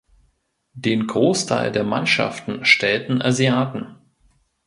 Den Großteil der Mannschaften stellten Asiaten.